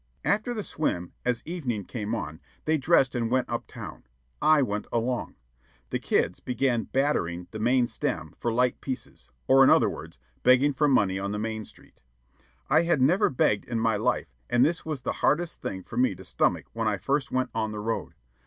After the swim, as evening came on, they dressed and went up town. I went along. The kids began "battering" the "main stem" for "light pieces," or, in other words, begging for money on the main street. I had never begged in my life, and this was the hardest thing for me to stomach when I first went on The Road.